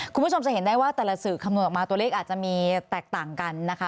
คุณผู้ชมจะเห็นได้ว่าแต่ละสื่อคำนวณออกมาตัวเลขอาจจะมีแตกต่างกันนะคะ